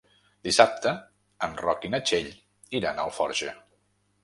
Dissabte en Roc i na Txell iran a Alforja.